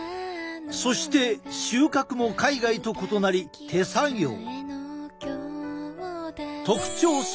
そして収穫も海外と異なり手作業。